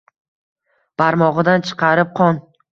Barmog’idan chiqarib qon